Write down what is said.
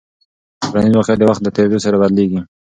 ټولنیز واقیعت د وخت له تېرېدو سره بدلېږي.